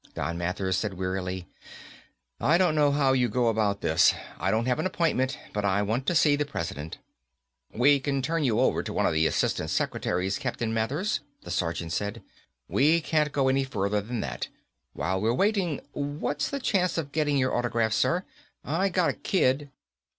Don Mathers said wearily, "I don't know how you go about this. I don't have an appointment, but I want to see the President." "We can turn you over to one of the assistant secretaries, Captain Mathers," the sergeant said. "We can't go any further than that. While we're waiting, what's the chances of getting your autograph, sir? I gotta kid